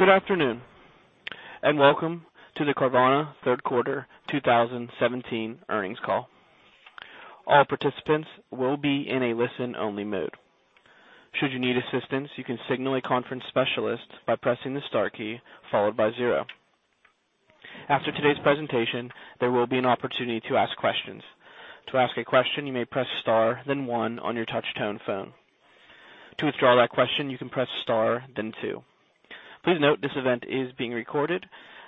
Good afternoon, welcome to the Carvana third quarter 2017 earnings call. All participants will be in a listen-only mode. Should you need assistance, you can signal a conference specialist by pressing the star key followed by 0. After today's presentation, there will be an opportunity to ask questions. To ask a question, you may press star then 1 on your touch-tone phone. To withdraw that question, you can press star then 2. Please note this event is being recorded.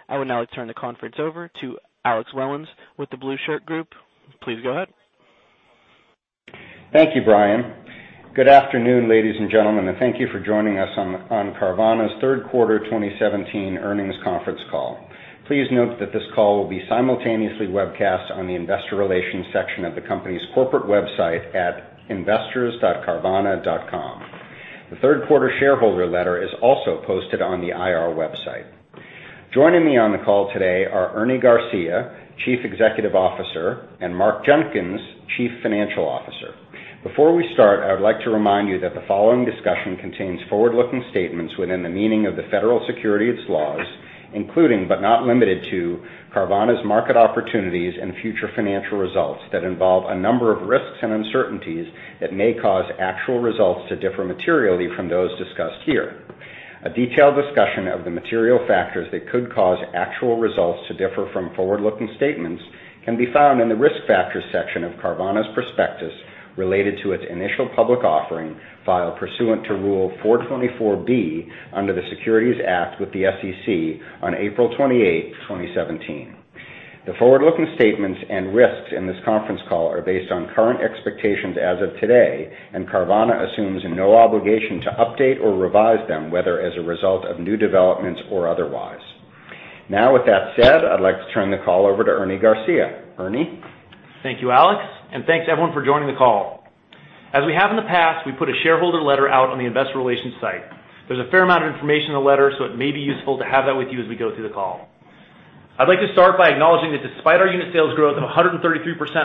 I would now like to turn the conference over to Alex Wellins with The Blueshirt Group. Please go ahead. Thank you, Brian. Good afternoon, ladies and gentlemen, thank you for joining us on Carvana's third quarter 2017 earnings conference call. Please note that this call will be simultaneously webcast on the investor relations section of the company's corporate website at investors.carvana.com. The third quarter shareholder letter is also posted on the IR website. Joining me on the call today are Ernie Garcia, Chief Executive Officer, and Mark Jenkins, Chief Financial Officer. Before we start, I would like to remind you that the following discussion contains forward-looking statements within the meaning of the federal securities laws, including but not limited to Carvana's market opportunities and future financial results that involve a number of risks and uncertainties that may cause actual results to differ materially from those discussed here. A detailed discussion of the material factors that could cause actual results to differ from forward-looking statements can be found in the Risk Factors section of Carvana's prospectus related to its initial public offering file pursuant to Rule 424 under the Securities Act with the SEC on April 28, 2017. The forward-looking statements and risks in this conference call are based on current expectations as of today, Carvana assumes no obligation to update or revise them, whether as a result of new developments or otherwise. Now, with that said, I'd like to turn the call over to Ernie Garcia. Ernie? Thank you, Alex, thanks everyone for joining the call. As we have in the past, we put a shareholder letter out on the investor relations site. There's a fair amount of information in the letter, it may be useful to have that with you as we go through the call. I'd like to start by acknowledging that despite our unit sales growth of 133%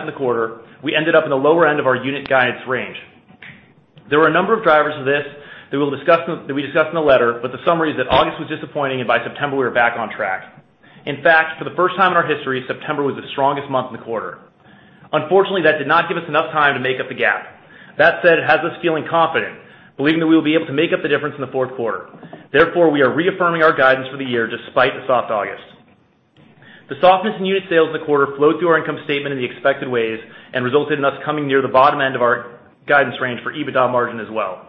in the quarter, we ended up in the lower end of our unit guidance range. There were a number of drivers of this that we discussed in the letter, the summary is that August was disappointing, by September, we were back on track. In fact, for the first time in our history, September was the strongest month in the quarter. Unfortunately, that did not give us enough time to make up the gap. That said, it has us feeling confident, believing that we will be able to make up the difference in the fourth quarter. We are reaffirming our guidance for the year despite the soft August. The softness in unit sales in the quarter flowed through our income statement in the expected ways and resulted in us coming near the bottom end of our guidance range for EBITDA margin as well.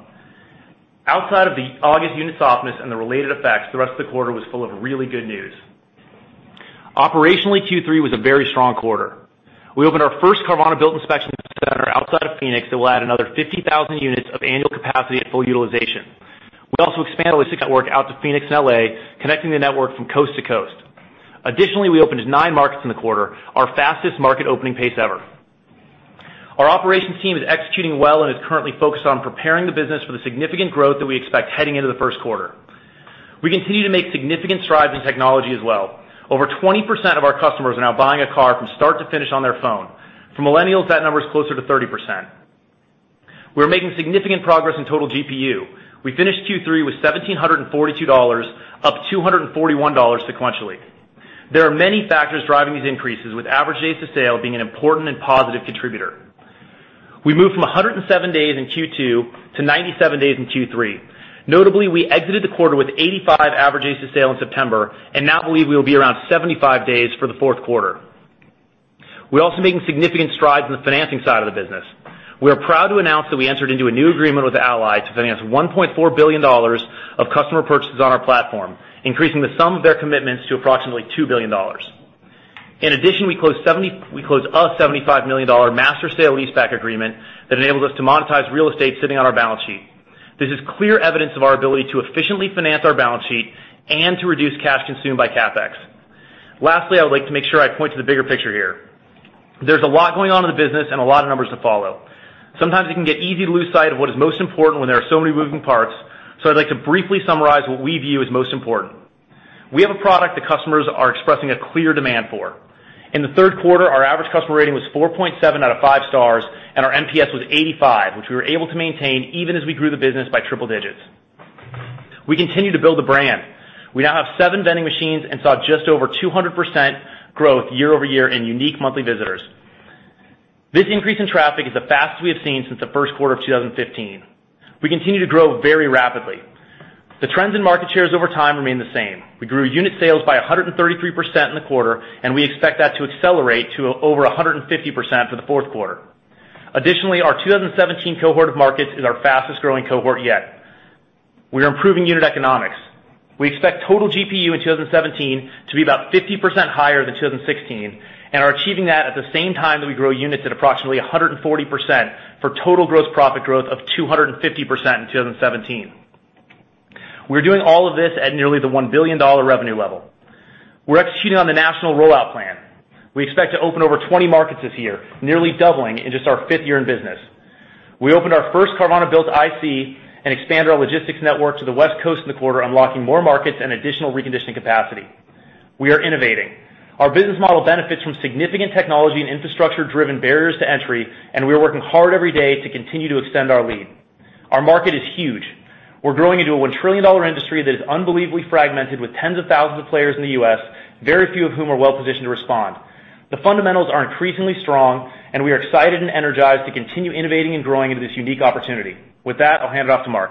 Outside of the August unit softness and the related effects, the rest of the quarter was full of really good news. Operationally, Q3 was a very strong quarter. We opened our first Carvana-built inspection center outside of Phoenix that will add another 50,000 units of annual capacity at full utilization. We also expanded our logistics network out to Phoenix and L.A., connecting the network from coast to coast. We opened nine markets in the quarter, our fastest market opening pace ever. Our operations team is executing well and is currently focused on preparing the business for the significant growth that we expect heading into the first quarter. We continue to make significant strides in technology as well. Over 20% of our customers are now buying a car from start to finish on their phone. For millennials, that number is closer to 30%. We're making significant progress in total GPU. We finished Q3 with $1,742, up $241 sequentially. There are many factors driving these increases, with average days to sale being an important and positive contributor. We moved from 107 days in Q2 to 97 days in Q3. Notably, we exited the quarter with 85 average days to sale in September and now believe we will be around 75 days for the fourth quarter. We're also making significant strides in the financing side of the business. We are proud to announce that we entered into a new agreement with Ally to finance $1.4 billion of customer purchases on our platform, increasing the sum of their commitments to approximately $2 billion. We closed a $75 million master sale-leaseback agreement that enables us to monetize real estate sitting on our balance sheet. This is clear evidence of our ability to efficiently finance our balance sheet and to reduce cash consumed by CapEx. I would like to make sure I point to the bigger picture here. There's a lot going on in the business and a lot of numbers to follow. Sometimes it can get easy to lose sight of what is most important when there are so many moving parts. I'd like to briefly summarize what we view as most important. We have a product that customers are expressing a clear demand for. In the third quarter, our average customer rating was 4.7 out of five stars, and our NPS was 85, which we were able to maintain even as we grew the business by triple digits. We continue to build the brand. We now have seven vending machines and saw just over 200% growth year-over-year in unique monthly visitors. This increase in traffic is the fastest we have seen since the first quarter of 2015. We continue to grow very rapidly. The trends in market shares over time remain the same. We grew unit sales by 133% in the quarter, and we expect that to accelerate to over 150% for the fourth quarter. Our 2017 cohort of markets is our fastest-growing cohort yet. We are improving unit economics. We expect total GPU in 2017 to be about 50% higher than 2016 and are achieving that at the same time that we grow units at approximately 140% for total gross profit growth of 250% in 2017. We're doing all of this at nearly the $1 billion revenue level. We're executing on the national rollout plan. We expect to open over 20 markets this year, nearly doubling in just our fifth year in business. We opened our first Carvana-built IRC and expanded our logistics network to the West Coast in the quarter, unlocking more markets and additional reconditioning capacity. We are innovating. Our business model benefits from significant technology and infrastructure-driven barriers to entry, and we are working hard every day to continue to extend our lead. Our market is huge. We're growing into a $1 trillion industry that is unbelievably fragmented with tens of thousands of players in the U.S., very few of whom are well-positioned to respond. The fundamentals are increasingly strong, we are excited and energized to continue innovating and growing into this unique opportunity. With that, I'll hand it off to Mark.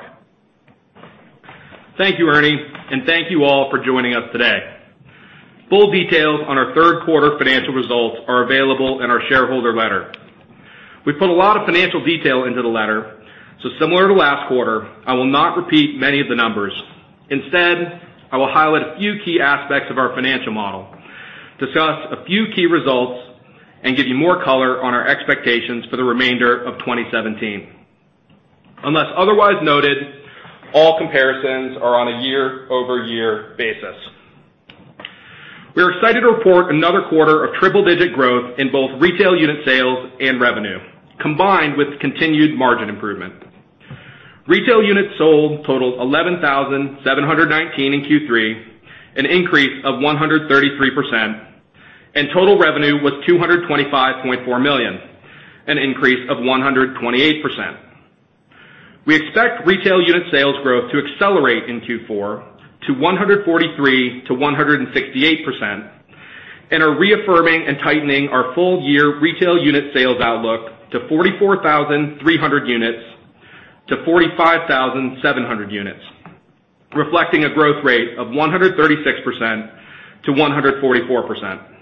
Thank you, Ernie, thank you all for joining us today. Full details on our third quarter financial results are available in our shareholder letter. We put a lot of financial detail into the letter, similar to last quarter, I will not repeat many of the numbers. Instead, I will highlight a few key aspects of our financial model, discuss a few key results, and give you more color on our expectations for the remainder of 2017. Unless otherwise noted, all comparisons are on a year-over-year basis. We are excited to report another quarter of triple-digit growth in both retail unit sales and revenue, combined with continued margin improvement. Retail units sold totaled 11,719 in Q3, an increase of 133%, total revenue was $225.4 million, an increase of 128%. We expect retail unit sales growth to accelerate in Q4 to 143%-168%, are reaffirming and tightening our full-year retail unit sales outlook to 44,300 units-45,700 units, reflecting a growth rate of 136%-144%.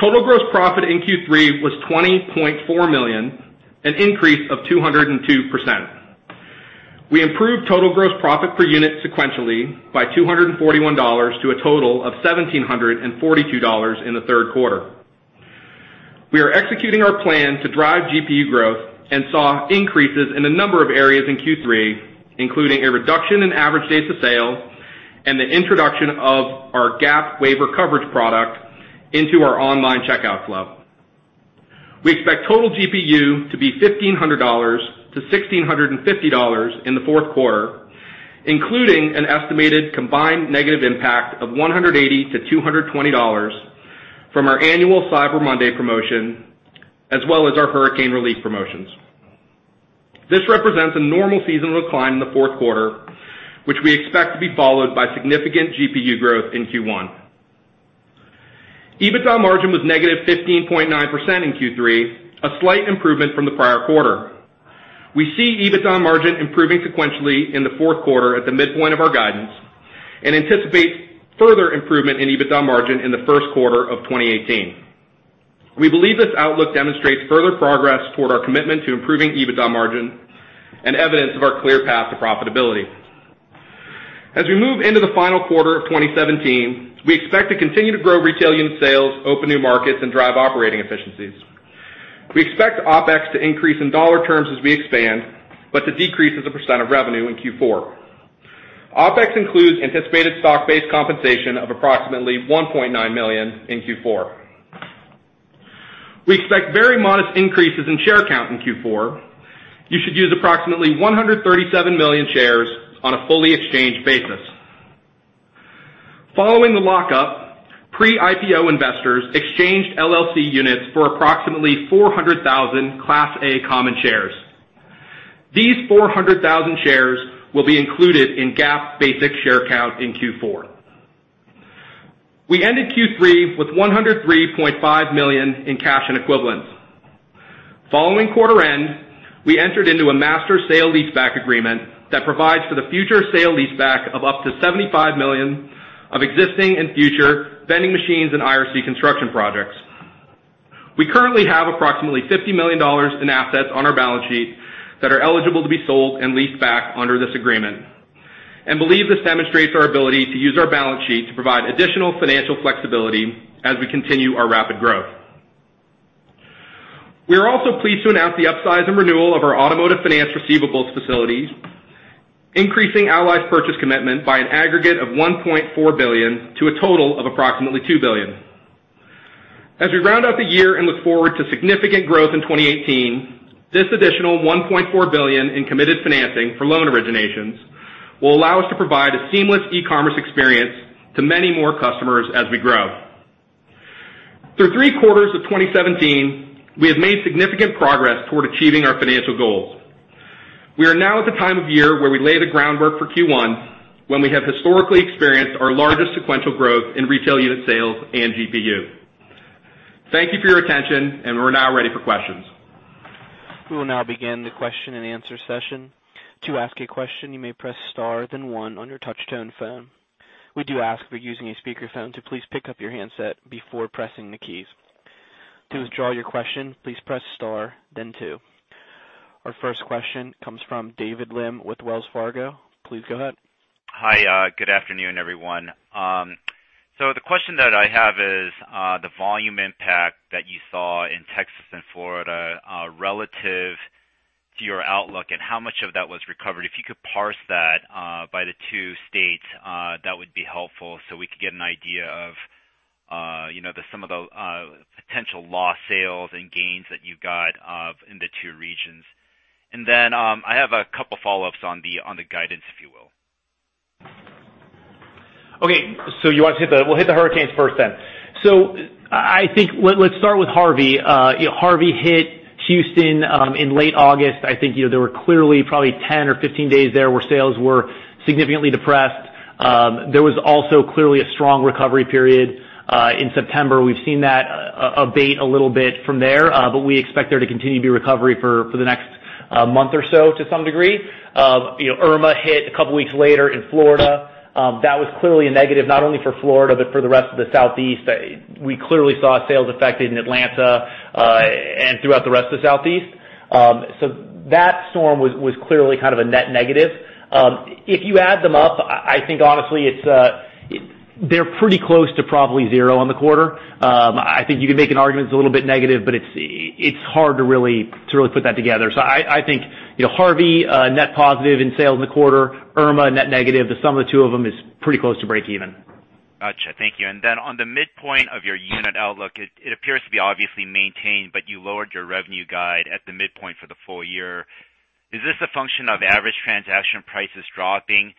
Total gross profit in Q3 was $20.4 million, an increase of 202%. We improved total gross profit per unit sequentially by $241 to a total of $1,742 in the third quarter. We are executing our plan to drive GPU growth and saw increases in a number of areas in Q3, including a reduction in average days to sale and the introduction of our GAP waiver coverage product into our online checkout flow. We expect total GPU to be $1,500-$1,650 in the fourth quarter, including an estimated combined negative impact of $180-$220 from our annual Cyber Monday promotion, as well as our hurricane relief promotions. This represents a normal seasonal decline in the fourth quarter, which we expect to be followed by significant GPU growth in Q1. EBITDA margin was negative 15.9% in Q3, a slight improvement from the prior quarter. We see EBITDA margin improving sequentially in the fourth quarter at the midpoint of our guidance and anticipate further improvement in EBITDA margin in the first quarter of 2018. We believe this outlook demonstrates further progress toward our commitment to improving EBITDA margin and evidence of our clear path to profitability. As we move into the final quarter of 2017, we expect to continue to grow retail unit sales, open new markets, and drive operating efficiencies. We expect OpEx to increase in dollar terms as we expand, but to decrease as a % of revenue in Q4. OpEx includes anticipated stock-based compensation of approximately $1.9 million in Q4. We expect very modest increases in share count in Q4. You should use approximately 137 million shares on a fully exchanged basis. Following the lockup, pre-IPO investors exchanged LLC units for approximately 400,000 Class A common shares. These 400,000 shares will be included in GAAP basic share count in Q4. We ended Q3 with $103.5 million in cash and equivalents. Following quarter end, we entered into a master sale leaseback agreement that provides for the future sale leaseback of up to $75 million of existing and future vending machines and IRC construction projects. We currently have approximately $50 million in assets on our balance sheet that are eligible to be sold and leased back under this agreement and believe this demonstrates our ability to use our balance sheet to provide additional financial flexibility as we continue our rapid growth. We are also pleased to announce the upsize and renewal of our automotive finance receivables facilities, increasing Ally's purchase commitment by an aggregate of $1.4 billion to a total of approximately $2 billion. As we round out the year and look forward to significant growth in 2018, this additional $1.4 billion in committed financing for loan originations will allow us to provide a seamless e-commerce experience to many more customers as we grow. Through three quarters of 2017, we have made significant progress toward achieving our financial goals. We are now at the time of year where we lay the groundwork for Q1, when we have historically experienced our largest sequential growth in retail unit sales and GPU. Thank you for your attention, and we are now ready for questions. We will now begin the question and answer session. To ask a question, you may press star then one on your touch-tone phone. We do ask for using a speaker phone to please pick up your handset before pressing the keys. To withdraw your question, please press star then two. Our first question comes from David Lim with Wells Fargo. Please go ahead. Hi. Good afternoon, everyone. The question that I have is, the volume impact that you saw in Texas and Florida, relative to your outlook and how much of that was recovered. If you could parse that by the two states, that would be helpful so we could get an idea Potential lost sales and gains that you got in the two regions. I have a couple of follow-ups on the guidance, if you will. Okay. We'll hit the hurricanes first then. I think, let's start with Harvey. Harvey hit Houston in late August. I think there were clearly probably 10 or 15 days there where sales were significantly depressed. There was also clearly a strong recovery period in September. We've seen that abate a little bit from there, but we expect there to continue to be recovery for the next month or so to some degree. Irma hit a couple of weeks later in Florida. That was clearly a negative not only for Florida but for the rest of the Southeast. We clearly saw sales affected in Atlanta and throughout the rest of the Southeast. That storm was clearly a net negative. If you add them up, I think honestly, they're pretty close to probably 0 on the quarter. I think you can make an argument it's a little bit negative, it's hard to really put that together. I think Harvey, net positive in sales in the quarter, Irma, net negative. The sum of the two of them is pretty close to breakeven. Got you. Thank you. On the midpoint of your unit outlook, it appears to be obviously maintained, you lowered your revenue guide at the midpoint for the full year. Is this a function of average transaction prices dropping?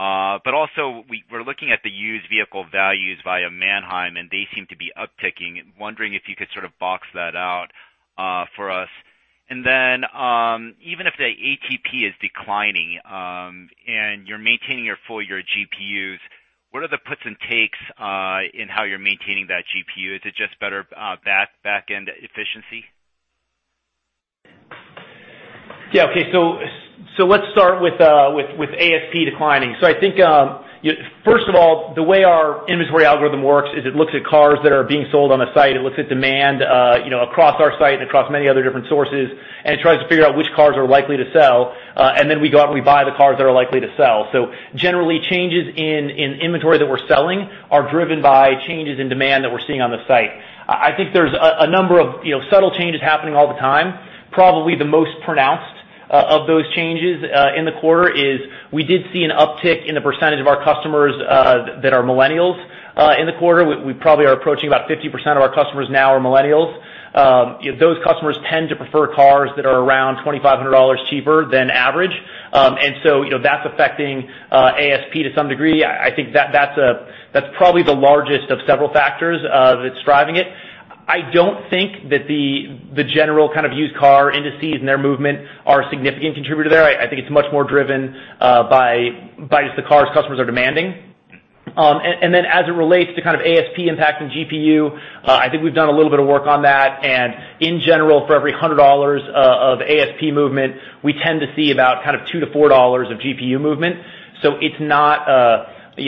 Also, we're looking at the used vehicle values via Manheim, they seem to be upticking. Wondering if you could sort of box that out for us. Even if the ATP is declining and you're maintaining your full year GPUs, what are the puts and takes in how you're maintaining that GPU? Is it just better backend efficiency? Yeah. Okay. Let's start with ASP declining. I think, first of all, the way our inventory algorithm works is it looks at cars that are being sold on the site, it looks at demand across our site and across many other different sources, and it tries to figure out which cars are likely to sell. We go out and we buy the cars that are likely to sell. Generally, changes in inventory that we're selling are driven by changes in demand that we're seeing on the site. I think there's a number of subtle changes happening all the time. Probably the most pronounced of those changes in the quarter is we did see an uptick in the percentage of our customers that are millennials in the quarter. We probably are approaching about 50% of our customers now are millennials. Those customers tend to prefer cars that are around $2,500 cheaper than average. That's affecting ASP to some degree. I think that's probably the largest of several factors that's driving it. I don't think that the general used car indices and their movement are a significant contributor there. I think it's much more driven by just the cars customers are demanding. As it relates to ASP impacting GPU, I think we've done a little bit of work on that, and in general, for every $100 of ASP movement, we tend to see about $2 to $4 of GPU movement. It's not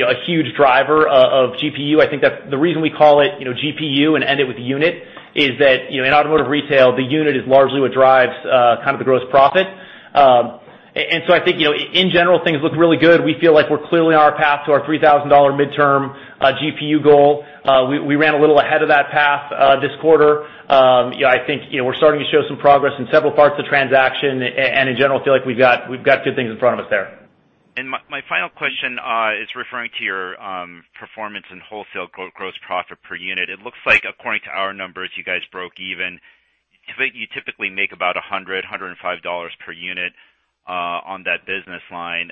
a huge driver of GPU. I think that the reason we call it GPU and end it with a unit is that in automotive retail, the unit is largely what drives the gross profit. I think, in general, things look really good. We feel like we're clearly on our path to our $3,000 midterm GPU goal. We ran a little ahead of that path this quarter. I think we're starting to show some progress in several parts of the transaction, and in general, feel like we've got good things in front of us there. My final question is referring to your performance in wholesale gross profit per unit. It looks like according to our numbers, you guys broke even. I think you typically make about $100, $105 per unit on that business line.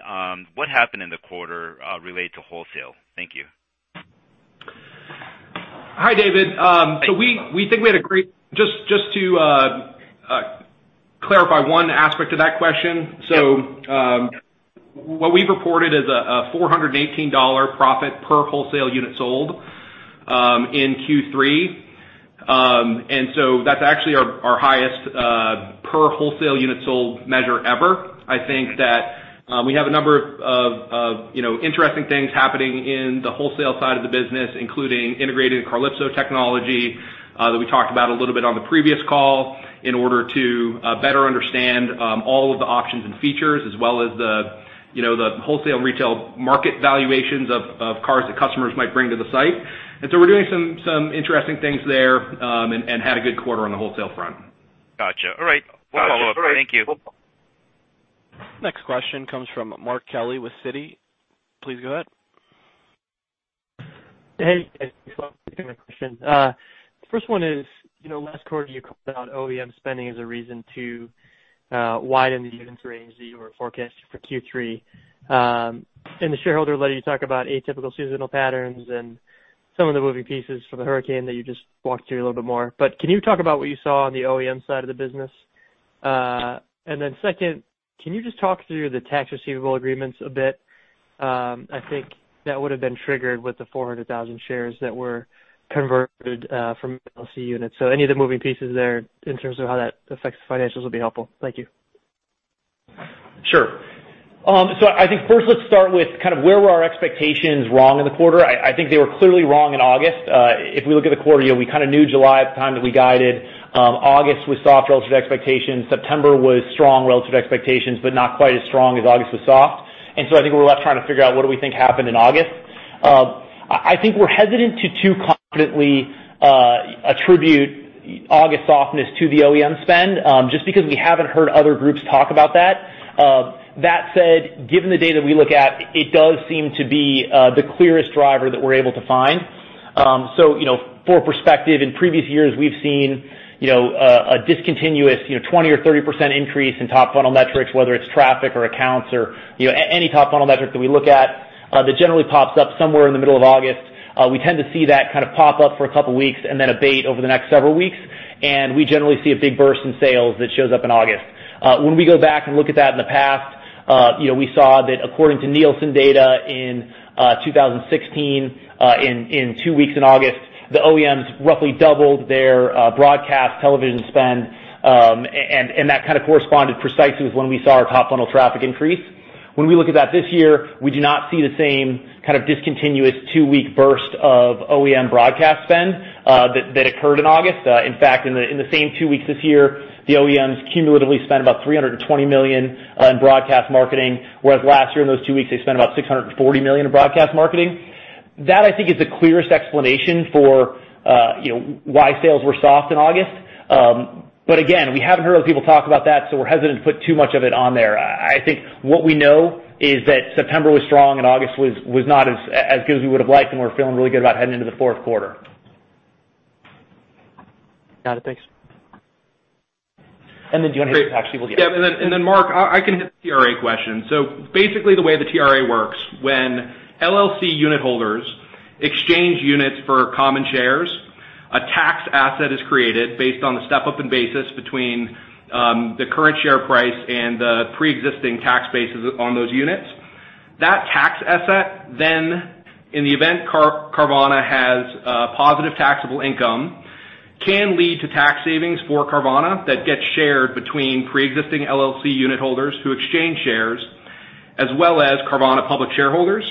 What happened in the quarter related to wholesale? Thank you. Hi, David. Hi. Just to clarify one aspect of that question. Yep. What we've reported is a $418 profit per wholesale unit sold in Q3. That's actually our highest per wholesale unit sold measure ever. I think that we have a number of interesting things happening in the wholesale side of the business, including integrating Carlypso technology, that we talked about a little bit on the previous call, in order to better understand all of the options and features, as well as the wholesale and retail market valuations of cars that customers might bring to the site. We're doing some interesting things there, and had a good quarter on the wholesale front. Got you. All right. One follow-up. Thank you. Next question comes from Marvin Fong with BTIG. Please go ahead. Hey, guys. Welcome. Two more questions. First one is, last quarter you called out OEM spending as a reason to widen the units range that you were forecasting for Q3. In the shareholder letter, you talk about atypical seasonal patterns and some of the moving pieces from the hurricane that you just walked through a little more. Can you talk about what you saw on the OEM side of the business? Second, can you just talk through the tax receivable agreements a bit? I think that would've been triggered with the 400,000 shares that were converted from LLC units. Any of the moving pieces there in terms of how that affects the financials would be helpful. Thank you. Sure. I think first let's start with where were our expectations wrong in the quarter. I think they were clearly wrong in August. If we look at the quarter, we kind of knew July at the time that we guided. August was soft relative to expectations. September was strong relative to expectations, but not quite as strong as August was soft. I think we're left trying to figure out what do we think happened in August. I think we're hesitant to too confidently attribute August softness to the OEM spend, just because we haven't heard other groups talk about that. That said, given the data we look at, it does seem to be the clearest driver that we're able to find. For perspective, in previous years, we've seen a discontinuous 20% or 30% increase in top funnel metrics, whether it's traffic or accounts or any top funnel metric that we look at, that generally pops up somewhere in the middle of August. We tend to see that pop up for a couple of weeks and then abate over the next several weeks. We generally see a big burst in sales that shows up in August. When we go back and look at that in the past, we saw that according to Nielsen data in 2016, in two weeks in August, the OEMs roughly doubled their broadcast television spend, and that corresponded precisely with when we saw our top funnel traffic increase. When we look at that this year, we do not see the same kind of discontinuous two-week burst of OEM broadcast spend that occurred in August. In fact, in the same two weeks this year, the OEMs cumulatively spent about $320 million on broadcast marketing, whereas last year in those two weeks, they spent about $640 million in broadcast marketing. That, I think, is the clearest explanation for why sales were soft in August. Again, we haven't heard other people talk about that, so we're hesitant to put too much of it on there. I think what we know is that September was strong and August was not as good as we would've liked, and we're feeling really good about heading into the fourth quarter. Got it. Thanks. Do you want to hit the (tax people) here? Yeah. Mark, I can hit the TRA question. Basically, the way the TRA works, when LLC unit holders exchange units for common shares, a tax asset is created based on the step-up in basis between the current share price and the preexisting tax bases on those units. That tax asset then, in the event Carvana has a positive taxable income, can lead to tax savings for Carvana that gets shared between preexisting LLC unit holders who exchange shares, as well as Carvana public shareholders.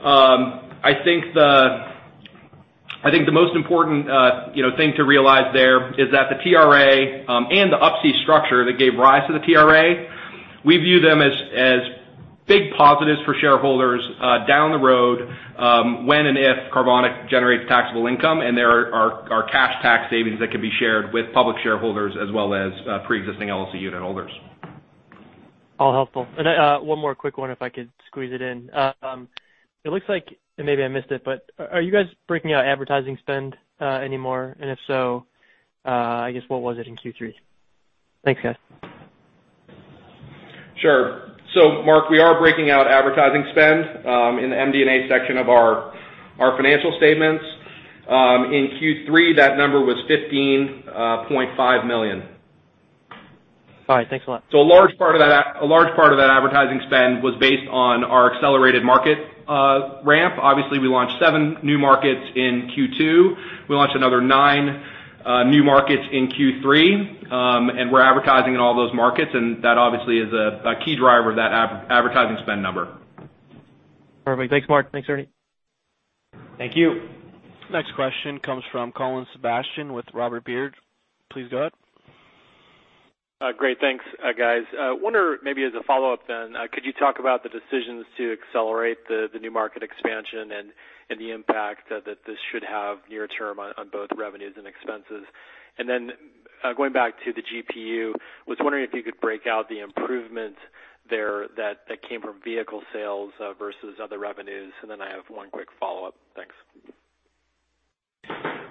I think the most important thing to realize there is that the TRA, and the Up-C structure that gave rise to the TRA, we view them as big positives for shareholders down the road, when and if Carvana generates taxable income, and there are cash tax savings that can be shared with public shareholders as well as preexisting LLC unit holders. All helpful. One more quick one if I could squeeze it in. It looks like, maybe I missed it, are you guys breaking out advertising spend anymore? If so, I guess what was it in Q3? Thanks, guys. Sure. Mark, we are breaking out advertising spend, in the MD&A section of our financial statements. In Q3, that number was $15.5 million. All right. Thanks a lot. A large part of that advertising spend was based on our accelerated market ramp. Obviously, we launched seven new markets in Q2. We launched another nine new markets in Q3. We're advertising in all those markets, and that obviously is a key driver of that advertising spend number. Perfect. Thanks, Mark. Thanks, Ernie. Thank you. Next question comes from Colin Sebastian with Robert W. Baird. Please go ahead. Thanks, guys. I wonder, maybe as a follow-up then, could you talk about the decisions to accelerate the new market expansion and the impact that this should have near term on both revenues and expenses? Going back to the GPU, I was wondering if you could break out the improvement there that came from vehicle sales versus other revenues. I have one quick follow-up. Thanks.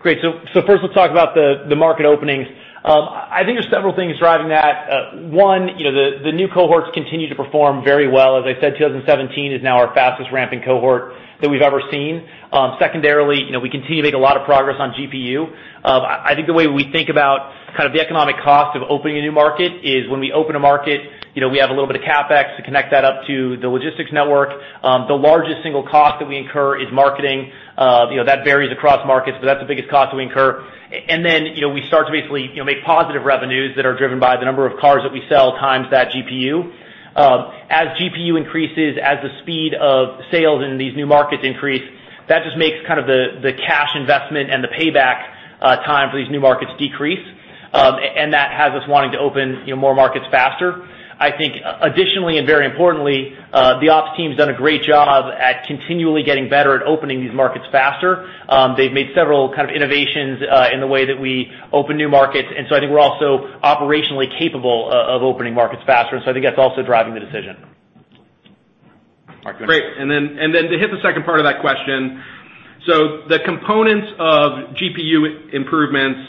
Great. First let's talk about the market openings. I think there's several things driving that. One, the new cohorts continue to perform very well. As I said, 2017 is now our fastest ramping cohort that we've ever seen. Secondarily, we continue to make a lot of progress on GPU. I think the way we think about the economic cost of opening a new market is when we open a market, we have a little bit of CapEx to connect that up to the logistics network. The largest single cost that we incur is marketing. That varies across markets, but that's the biggest cost that we incur. We start to basically make positive revenues that are driven by the number of cars that we sell times that GPU. As GPU increases, as the speed of sales in these new markets increase, that just makes the cash investment and the payback time for these new markets decrease. That has us wanting to open more markets faster. I think additionally, and very importantly, the ops team's done a great job at continually getting better at opening these markets faster. They've made several innovations in the way that we open new markets, I think we're also operationally capable of opening markets faster, I think that's also driving the decision. Great. To hit the second part of that question. The components of GPU improvements,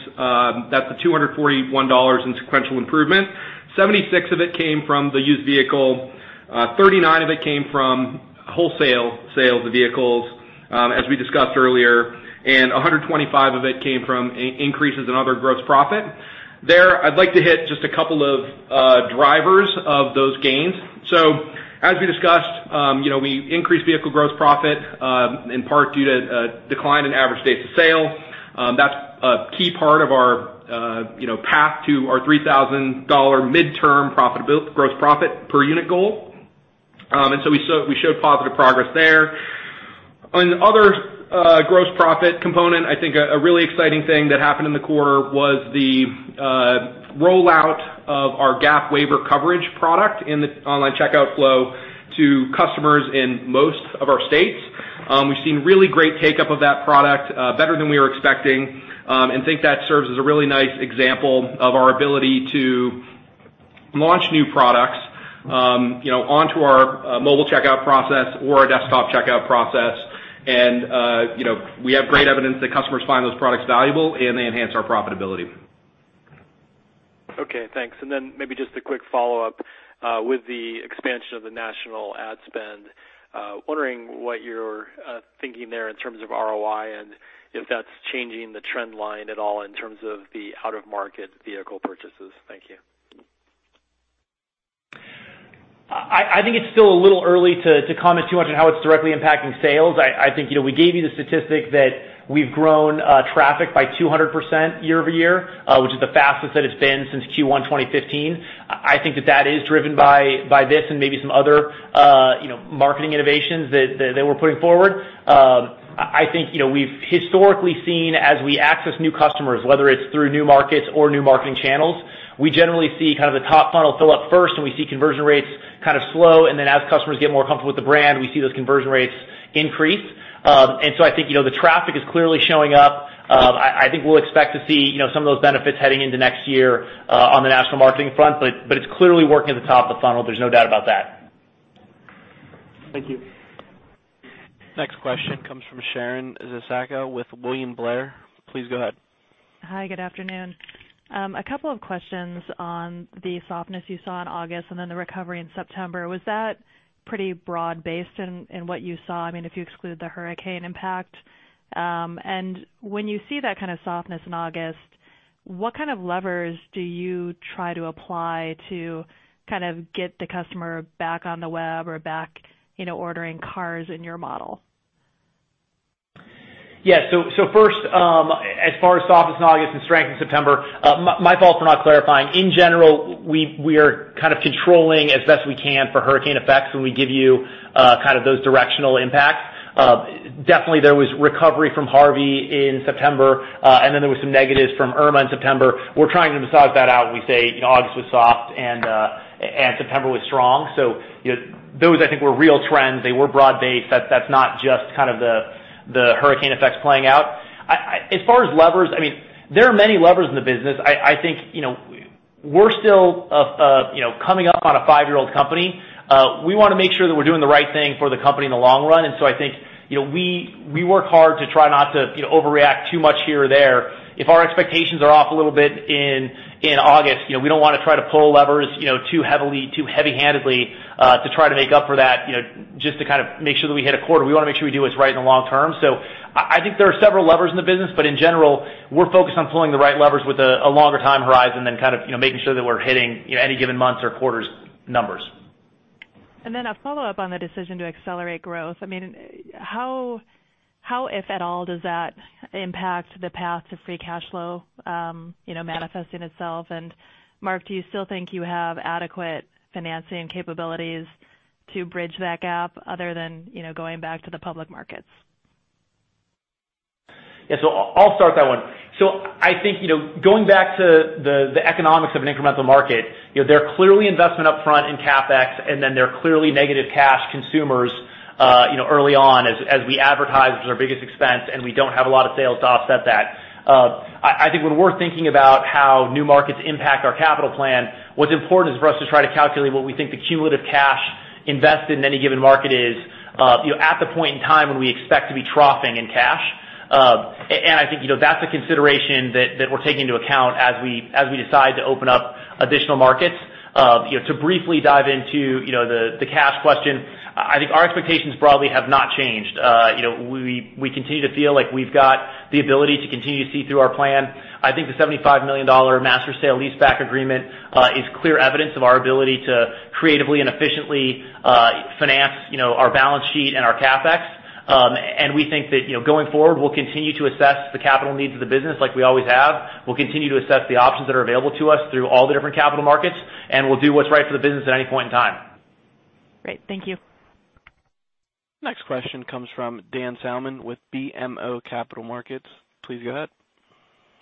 that's the $241 in sequential improvement, $76 of it came from the used vehicle, $39 of it came from wholesale sales of vehicles, as we discussed earlier, $125 of it came from increases in other gross profit. There, I'd like to hit just a couple of drivers of those gains. As we discussed, we increased vehicle gross profit, in part due to a decline in average days to sale. That's a key part of our path to our $3,000 midterm gross profit per unit goal. We showed positive progress there. On the other gross profit component, I think a really exciting thing that happened in the quarter was the rollout of our GAP waiver coverage product in the online checkout flow to customers in most of our states We've seen really great take-up of that product, better than we were expecting, and think that serves as a really nice example of our ability to launch new products onto our mobile checkout process or our desktop checkout process. We have great evidence that customers find those products valuable, and they enhance our profitability. Okay, thanks. Maybe just a quick follow-up. With the expansion of the national ad spend, wondering what you're thinking there in terms of ROI and if that's changing the trend line at all in terms of the out-of-market vehicle purchases. Thank you. I think it's still a little early to comment too much on how it's directly impacting sales. I think we gave you the statistic that we've grown traffic by 200% year-over-year, which is the fastest that it's been since Q1 2015. I think that is driven by this and maybe some other marketing innovations that we're putting forward. I think we've historically seen as we access new customers, whether it's through new markets or new marketing channels, we generally see the top funnel fill up first, and we see conversion rates slow, and then as customers get more comfortable with the brand, we see those conversion rates increase. I think the traffic is clearly showing up. I think we'll expect to see some of those benefits heading into next year on the national marketing front, but it's clearly working at the top of the funnel. There's no doubt about that. Thank you. Next question comes from Sharon Zackfia with William Blair. Please go ahead. Hi, good afternoon. A couple of questions on the softness you saw in August and then the recovery in September. Was that pretty broad-based in what you saw, if you exclude the hurricane impact? When you see that kind of softness in August, what kind of levers do you try to apply to get the customer back on the web or back ordering cars in your model? Yeah. First, as far as softness in August and strength in September, my fault for not clarifying. In general, we are controlling as best we can for hurricane effects when we give you those directional impacts. Definitely, there was recovery from Hurricane Harvey in September, then there was some negatives from Hurricane Irma in September. We're trying to massage that out when we say August was soft and September was strong. Those, I think, were real trends. They were broad-based. That's not just the hurricane effects playing out. As far as levers, there are many levers in the business. I think we're still coming up on a five-year-old company. We want to make sure that we're doing the right thing for the company in the long run. I think we work hard to try not to overreact too much here or there. If our expectations are off a little bit in August, we don't want to try to pull levers too heavily, too heavy-handedly to try to make up for that just to make sure that we hit a quarter. We want to make sure we do what's right in the long term. I think there are several levers in the business, but in general, we're focused on pulling the right levers with a longer time horizon than making sure that we're hitting any given month's or quarter's numbers. A follow-up on the decision to accelerate growth. How, if at all, does that impact the path to free cash flow manifesting itself? Mark, do you still think you have adequate financing capabilities to bridge that gap other than going back to the public markets? I'll start that one. I think going back to the economics of an incremental market, there are clearly investment up front in CapEx, and then there are clearly negative cash consumers early on as we advertise, which is our biggest expense, and we don't have a lot of sales to offset that. I think when we're thinking about how new markets impact our capital plan, what's important is for us to try to calculate what we think the cumulative cash invested in any given market is at the point in time when we expect to be troughing in cash. I think that's a consideration that we're taking into account as we decide to open up additional markets. To briefly dive into the cash question, I think our expectations broadly have not changed. We continue to feel like we've got the ability to continue to see through our plan. I think the $75 million master sale-leaseback agreement is clear evidence of our ability to creatively and efficiently finance our balance sheet and our CapEx. We think that going forward, we'll continue to assess the capital needs of the business like we always have. We'll continue to assess the options that are available to us through all the different capital markets, and we'll do what's right for the business at any point in time. Great. Thank you. Next question comes from Dan Salmon with BMO Capital Markets. Please go ahead.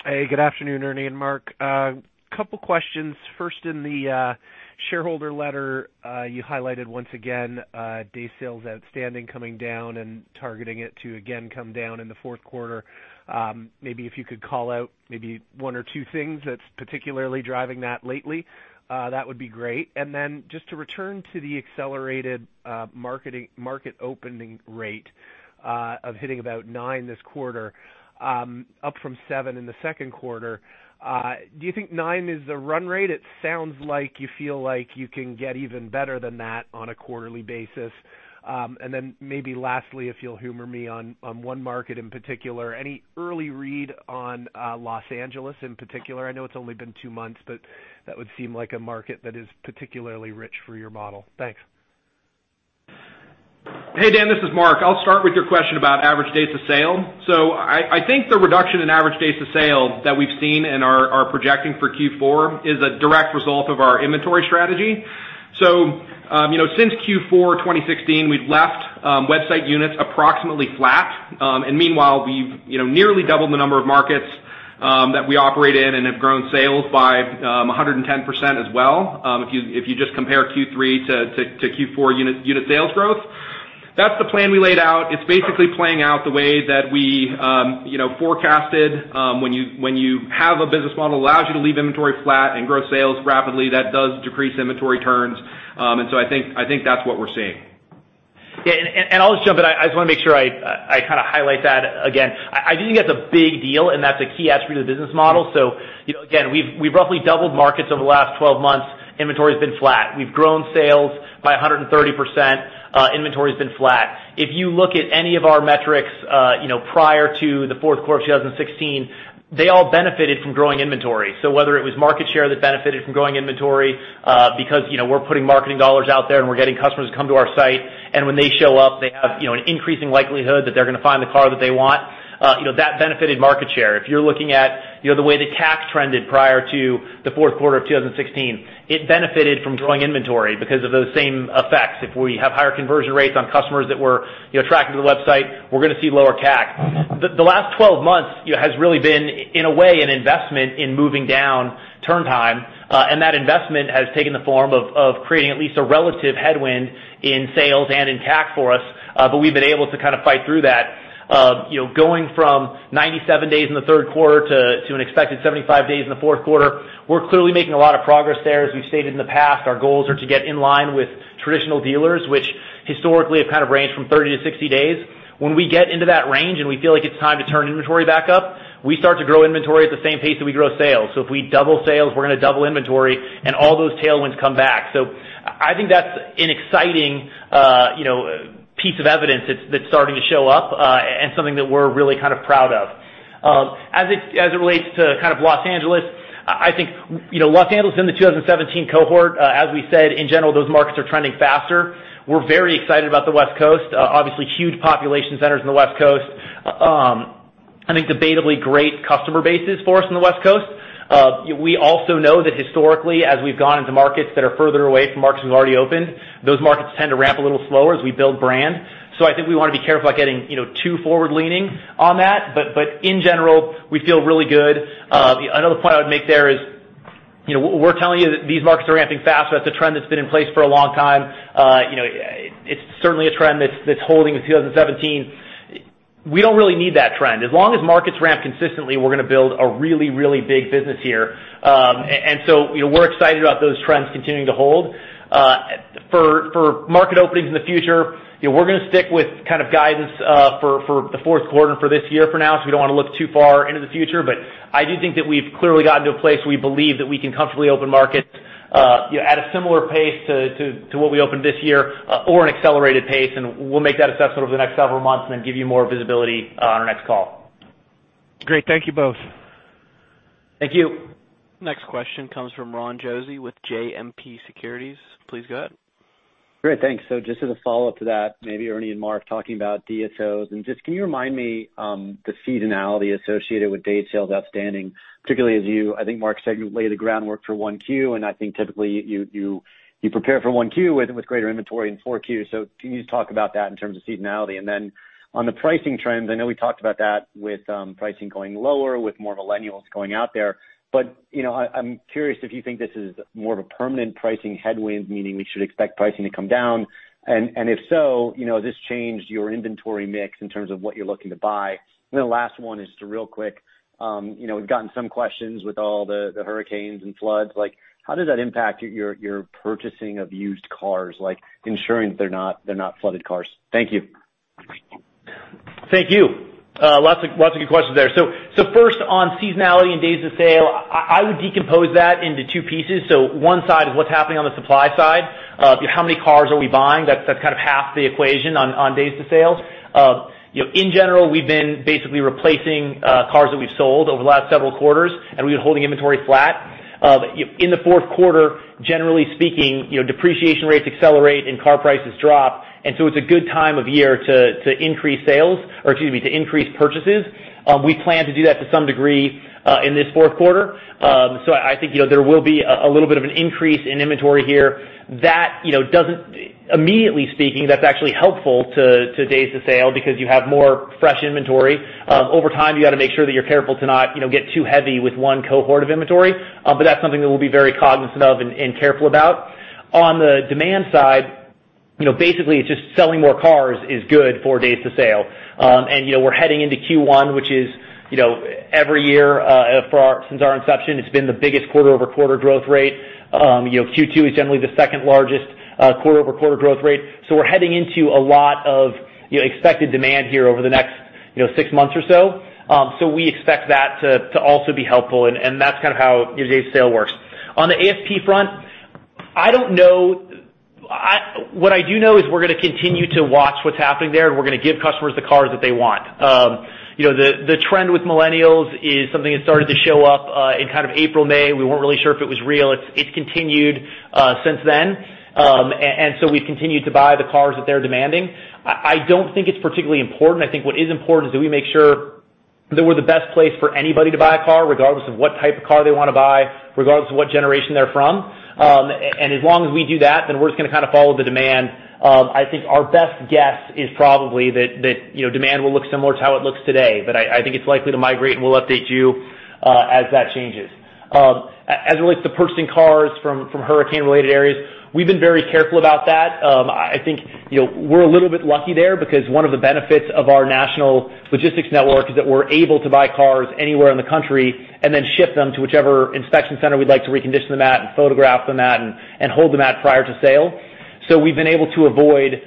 Hey, good afternoon, Ernie and Mark. Couple questions. First, in the shareholder letter, you highlighted once again Days Sales Outstanding coming down and targeting it to again come down in the fourth quarter. Maybe if you could call out maybe one or two things that's particularly driving that lately, that would be great. Just to return to the accelerated market opening rate of hitting about nine this quarter up from seven in the second quarter. Do you think nine is the run rate? It sounds like you feel like you can get even better than that on a quarterly basis. Maybe lastly, if you'll humor me on one market in particular, any early read on Los Angeles in particular? I know it's only been two months, but that would seem like a market that is particularly rich for your model. Thanks. Hey, Dan. This is Mark. I'll start with your question about average days to sale. I think the reduction in average days to sale that we've seen and are projecting for Q4 is a direct result of our inventory strategy. Since Q4 2016, we've left website units approximately flat. Meanwhile, we've nearly doubled the number of markets That we operate in and have grown sales by 110% as well. If you just compare Q3 to Q4 unit sales growth, that's the plan we laid out. It's basically playing out the way that we forecasted. When you have a business model that allows you to leave inventory flat and grow sales rapidly, that does decrease inventory turns. I think that's what we're seeing. Yeah. I'll just jump in. I just want to make sure I highlight that again. I do think that's a big deal, and that's a key attribute of the business model. Again, we've roughly doubled markets over the last 12 months. Inventory's been flat. We've grown sales by 130%. Inventory's been flat. If you look at any of our metrics prior to the fourth quarter of 2016, they all benefited from growing inventory. Whether it was market share that benefited from growing inventory because we're putting marketing dollars out there, and we're getting customers to come to our site, and when they show up, they have an increasing likelihood that they're going to find the car that they want. That benefited market share. If you're looking at the way the CAC trended prior to the fourth quarter of 2016, it benefited from growing inventory because of those same effects. If we have higher conversion rates on customers that were attracted to the website, we're going to see lower CAC. The last 12 months has really been, in a way, an investment in moving down turn time. That investment has taken the form of creating at least a relative headwind in sales and in CAC for us. We've been able to fight through that. Going from 97 days in the third quarter to an expected 75 days in the fourth quarter, we're clearly making a lot of progress there. As we've stated in the past, our goals are to get in line with traditional dealers, which historically have ranged from 30 to 60 days. When we get into that range and we feel like it's time to turn inventory back up, we start to grow inventory at the same pace that we grow sales. If we double sales, we're going to double inventory and all those tailwinds come back. I think that's an exciting piece of evidence that's starting to show up and something that we're really proud of. As it relates to Los Angeles, I think Los Angeles is in the 2017 cohort. As we said, in general, those markets are trending faster. We're very excited about the West Coast. Obviously, huge population centers in the West Coast. I think debatably great customer bases for us on the West Coast. We also know that historically, as we've gone into markets that are further away from markets we've already opened, those markets tend to ramp a little slower as we build brand. I think we want to be careful about getting too forward-leaning on that. In general, we feel really good. Another point I would make there is we're telling you that these markets are ramping faster. That's a trend that's been in place for a long time. It's certainly a trend that's holding in 2017. We don't really need that trend. As long as markets ramp consistently, we're going to build a really, really big business here. We're excited about those trends continuing to hold. For market openings in the future, we're going to stick with guidance for the fourth quarter for this year for now, because we don't want to look too far into the future. I do think that we've clearly gotten to a place we believe that we can comfortably open markets at a similar pace to what we opened this year or an accelerated pace, and we'll make that assessment over the next several months and then give you more visibility on our next call. Great. Thank you both. Thank you. Next question comes from Ron Josey with JMP Securities. Please go ahead. Great. Thanks. Just as a follow-up to that, maybe Ernie and Mark talking about DSOs. Just can you remind me the seasonality associated with days of sales outstanding, particularly as you, I think Mark said, you lay the groundwork for 1Q, and I think typically you prepare for 1Q with greater inventory in 4Q. Can you just talk about that in terms of seasonality? On the pricing trends, I know we talked about that with pricing going lower, with more millennials going out there. I'm curious if you think this is more of a permanent pricing headwind, meaning we should expect pricing to come down. If so, has this changed your inventory mix in terms of what you're looking to buy? The last one is just real quick. We've gotten some questions with all the hurricanes and floods. How does that impact your purchasing of used cars, ensuring that they're not flooded cars? Thank you. Thank you. Lots of good questions there. First, on seasonality and days to sale, I would decompose that into two pieces. One side is what's happening on the supply side. How many cars are we buying? That's half the equation on days to sale. In general, we've been basically replacing cars that we've sold over the last several quarters, and we've been holding inventory flat. In the fourth quarter, generally speaking, depreciation rates accelerate and car prices drop. It's a good time of year to increase sales, or excuse me, to increase purchases. We plan to do that to some degree in this fourth quarter. I think there will be a little bit of an increase in inventory here. Immediately speaking, that's actually helpful to days to sale because you have more fresh inventory. Over time, you got to make sure that you're careful to not get too heavy with one cohort of inventory. That's something that we'll be very cognizant of and careful about. On the demand side, basically it's just selling more cars is good for days to sale. We're heading into Q1, which is every year since our inception, it's been the biggest quarter-over-quarter growth rate. Q2 is generally the second largest quarter-over-quarter growth rate. We're heading into a lot of expected demand here over the next six months or so. We expect that to also be helpful, and that's how day to sale works. On the ASP front, what I do know is we're going to continue to watch what's happening there, we're going to give customers the cars that they want. The trend with millennials is something that started to show up in April, May. We weren't really sure if it was real. It's continued since then. So we've continued to buy the cars that they're demanding. I don't think it's particularly important. I think what is important is that we make sure that we're the best place for anybody to buy a car, regardless of what type of car they want to buy, regardless of what generation they're from. As long as we do that, then we're just going to follow the demand. I think our best guess is probably that demand will look similar to how it looks today. I think it's likely to migrate, and we'll update you as that changes. As it relates to purchasing cars from hurricane-related areas, we've been very careful about that. I think we're a little bit lucky there because one of the benefits of our national logistics network is that we're able to buy cars anywhere in the country and then ship them to whichever inspection center we'd like to recondition them at and photograph them at, and hold them at prior to sale. So we've been able to avoid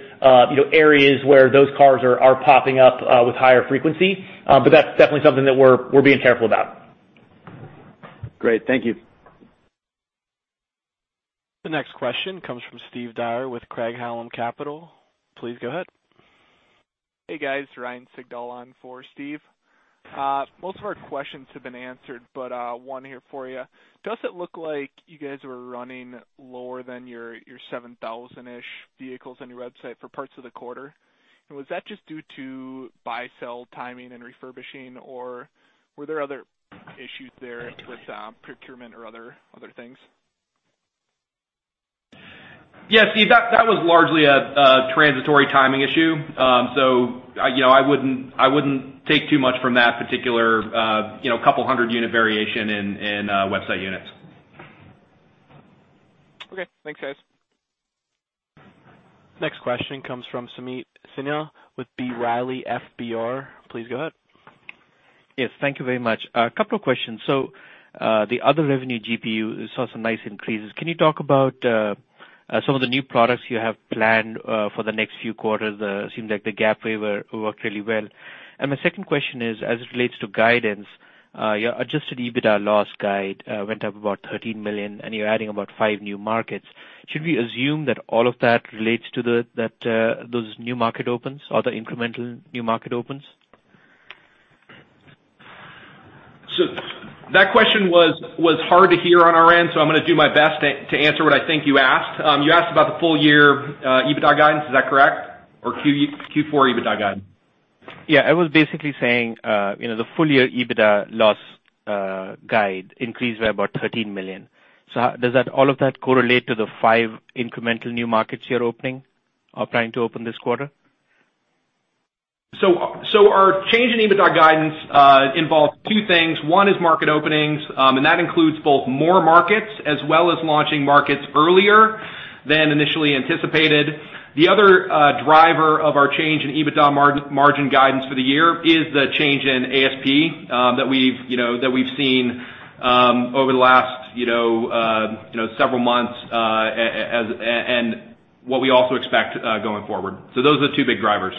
areas where those cars are popping up with higher frequency. That's definitely something that we're being careful about. Great. Thank you. The next question comes from Steve Dyer with Craig-Hallum Capital. Please go ahead. Hey, guys. Ryan Sigdahl on for Steve. Most of our questions have been answered, one here for you. Does it look like you guys were running lower than your 7,000-ish vehicles on your website for parts of the quarter? Was that just due to buy-sell timing and refurbishing, or were there other issues there with procurement or other things? Yeah, Ryan, that was largely a transitory timing issue. I wouldn't take too much from that particular couple of 100 unit variation in website units. Okay. Thanks, guys. Next question comes from Sameet Sinha with B. Riley FBR. Please go ahead. Yes, thank you very much. A couple of questions. The other revenue GPU, we saw some nice increases. Can you talk about some of the new products you have planned for the next few quarters? It seems like the GAP waiver worked really well. My second question is as it relates to guidance, your adjusted EBITDA loss guide went up about $13 million, and you're adding about five new markets. Should we assume that all of that relates to those new market opens, or the incremental new market opens? That question was hard to hear on our end, I'm going to do my best to answer what I think you asked. You asked about the full year EBITDA guidance, is that correct? Or Q4 EBITDA guide? Yeah, I was basically saying, the full year EBITDA loss guide increased by about $13 million. Does all of that correlate to the five incremental new markets you're opening or planning to open this quarter? Our change in EBITDA guidance involves two things. One is market openings, that includes both more markets as well as launching markets earlier than initially anticipated. The other driver of our change in EBITDA margin guidance for the year is the change in ASP that we've seen over the last several months, and what we also expect going forward. Those are the two big drivers.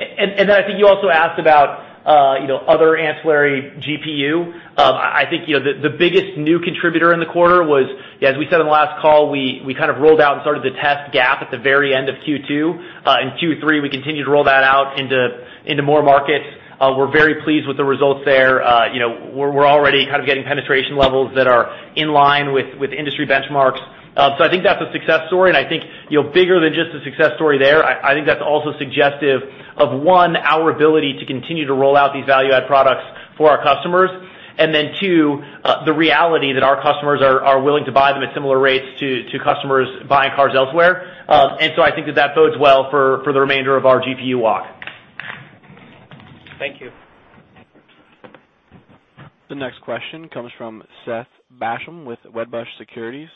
I think you also asked about other ancillary GPU. I think the biggest new contributor in the quarter was, as we said on the last call, we kind of rolled out and started the test GAP at the very end of Q2. In Q3, we continued to roll that out into more markets. We're very pleased with the results there. We're already getting penetration levels that are in line with industry benchmarks. I think that's a success story, and I think bigger than just a success story there, I think that's also suggestive of one, our ability to continue to roll out these value-add products for our customers, and then two, the reality that our customers are willing to buy them at similar rates to customers buying cars elsewhere. I think that that bodes well for the remainder of our GPU walk. Thank you. The next question comes from Seth Basham with Wedbush Securities.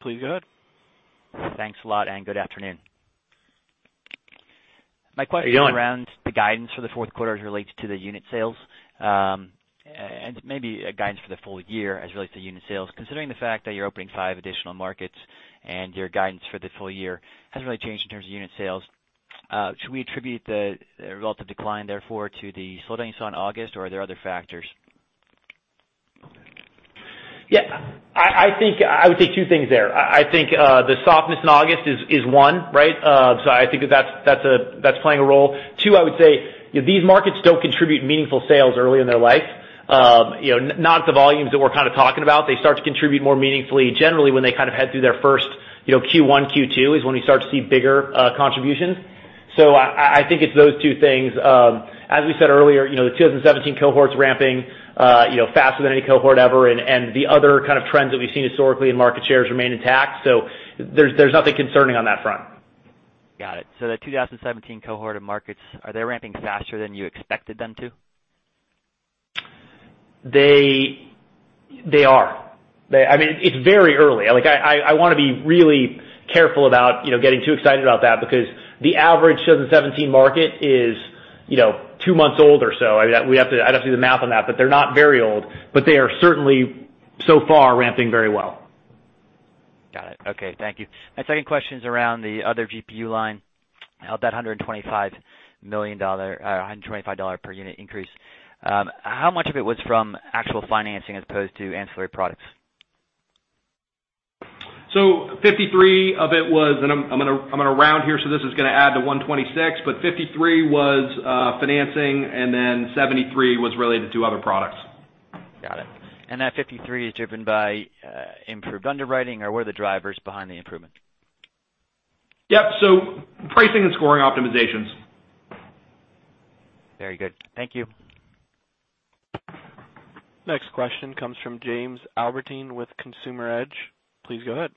Please go ahead. Thanks a lot, good afternoon. How are you doing? My question is around the guidance for the fourth quarter as it relates to the unit sales, and maybe a guidance for the full year as it relates to unit sales. Considering the fact that you're opening five additional markets and your guidance for the full year hasn't really changed in terms of unit sales, should we attribute the relative decline therefore to the slowdown you saw in August or are there other factors? Yeah. I would say two things there. I think the softness in August is one, right? I think that's playing a role. Two, I would say, these markets don't contribute meaningful sales early in their life. Not at the volumes that we're talking about. They start to contribute more meaningfully generally when they head through their first Q1, Q2, is when we start to see bigger contributions. I think it's those two things. As we said earlier, the 2017 cohort is ramping faster than any cohort ever, and the other trends that we've seen historically in market shares remain intact. There's nothing concerning on that front. Got it. The 2017 cohort of markets, are they ramping faster than you expected them to? They are. It's very early. I want to be really careful about getting too excited about that because the average 2017 market is two months old or so. I'd have to do the math on that, but they're not very old, but they are certainly, so far, ramping very well. Got it. Okay. Thank you. My second question is around the other GPU line, of that $125 per unit increase. How much of it was from actual financing as opposed to ancillary products? $53 of it was, and I'm going to round here, so this is going to add to $126, but $53 was financing and then $73 was related to other products. Got it. That $53 is driven by improved underwriting, or where are the drivers behind the improvement? Yep. Pricing and scoring optimizations. Very good. Thank you. Next question comes from Jamie Albertine with Consumer Edge. Please go ahead.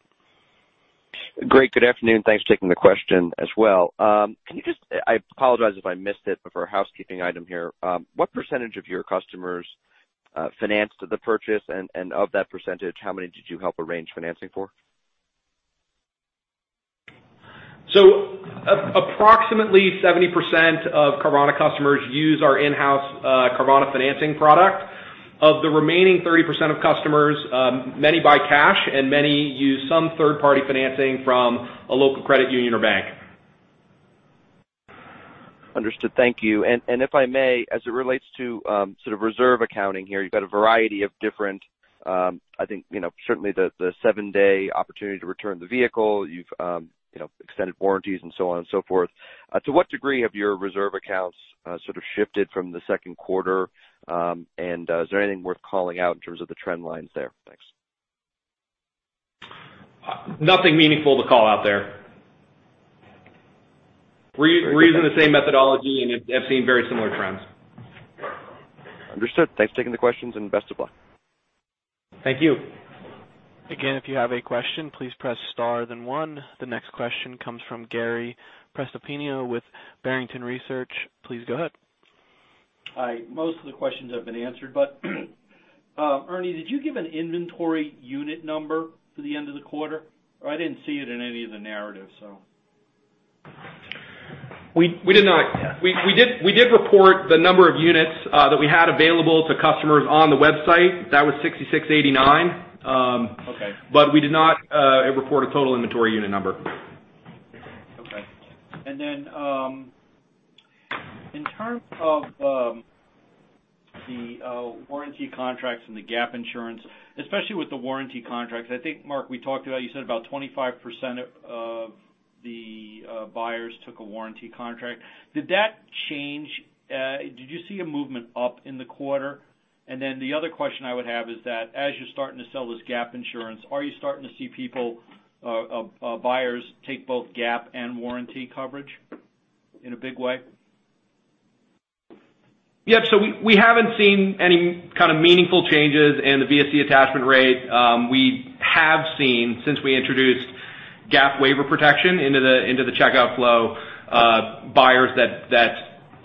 Great. Good afternoon. Thanks for taking the question as well. I apologize if I missed it, but for a housekeeping item here, what percentage of your customers financed the purchase? Of that percentage, how many did you help arrange financing for? Approximately 70% of Carvana customers use our in-house Carvana financing product. Of the remaining 30% of customers, many buy cash and many use some third-party financing from a local credit union or bank. Understood. Thank you. If I may, as it relates to sort of reserve accounting here, you've got a variety of I think certainly the seven-day opportunity to return the vehicle, you've extended warranties and so on and so forth. To what degree have your reserve accounts sort of shifted from the second quarter? Is there anything worth calling out in terms of the trend lines there? Thanks. Nothing meaningful to call out there. We're using the same methodology, have seen very similar trends. Understood. Thanks for taking the questions, best of luck. Thank you. Again, if you have a question, please press star then one. The next question comes from Gary Prestopino with Barrington Research. Please go ahead. Hi. Most of the questions have been answered, but Ernie, did you give an inventory unit number for the end of the quarter? I didn't see it in any of the narratives. We did not. We did report the number of units that we had available to customers on the website. That was 6,689. Okay. We did not report a total inventory unit number. Okay. In terms of the warranty contracts and the GAP insurance, especially with the warranty contracts, I think Mark, we talked about, you said about 25% of the buyers took a warranty contract. Did that change? Did you see a movement up in the quarter? The other question I would have is that as you're starting to sell this GAP insurance, are you starting to see buyers take both GAP and warranty coverage in a big way? Yeah, we haven't seen any kind of meaningful changes in the VSC attachment rate. We have seen, since we introduced GAP waiver protection into the checkout flow, buyers that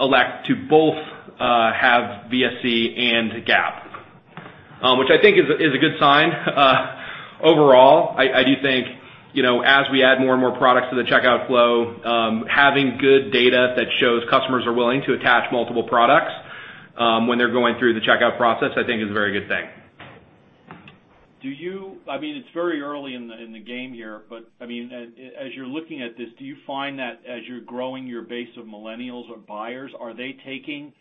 elect to both have VSC and GAP, which I think is a good sign overall. I do think as we add more and more products to the checkout flow, having good data that shows customers are willing to attach multiple products when they're going through the checkout process, I think is a very good thing. It's very early in the game here. As you're looking at this, do you find that as you're growing your base of millennials or buyers, are they taking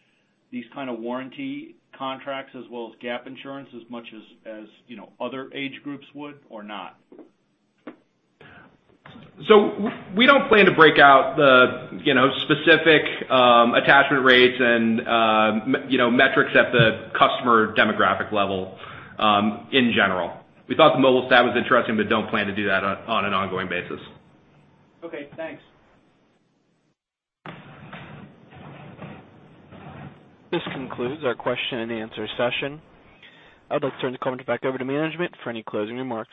these kind of warranty contracts as well as GAP insurance as much as other age groups would or not? We don't plan to break out the specific attachment rates and metrics at the customer demographic level in general. We thought the mobile stat was interesting, don't plan to do that on an ongoing basis. Okay, thanks. This concludes our question and answer session. I'd like to turn the call back over to management for any closing remarks.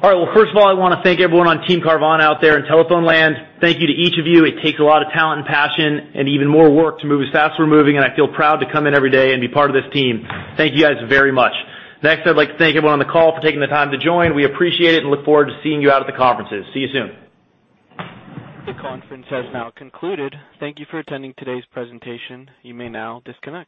All right. Well, first of all, I want to thank everyone on Team Carvana out there in telephone land. Thank you to each of you. It takes a lot of talent and passion and even more work to move as fast as we're moving, and I feel proud to come in every day and be part of this team. Thank you guys very much. Next, I'd like to thank everyone on the call for taking the time to join. We appreciate it and look forward to seeing you out at the conferences. See you soon. The conference has now concluded. Thank you for attending today's presentation. You may now disconnect.